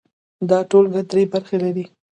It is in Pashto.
دا ټولګه درې برخې لري.